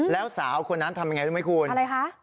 แล้วสาวคนนั้นทำยังไงรู้ไหมคุณอะไรคะ